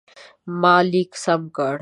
ما لیک سم کړ.